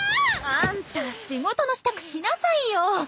あんた仕事の支度しなさいよ。